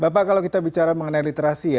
bapak kalau kita bicara mengenai literasi ya